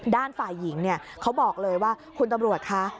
ด้านฝ่ายหญิงเขาบอกเลยว่าคุณตำรวจคะ